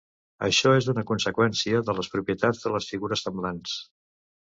Això és una conseqüència de les propietats de les figures semblants.